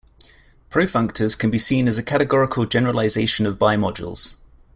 Profunctors can be seen as a categorical generalization of bimodules.